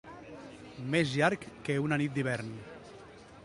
Més llarg que una nit d'hivern.